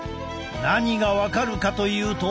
何が分かるかというと。